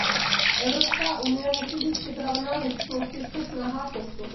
Evropská unie musí být připravena Rusko v těchto snahách podpořit.